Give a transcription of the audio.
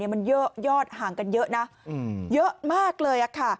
มันเยอะยอดห่างกันเยอะนะเยอะมากเลยค่ะ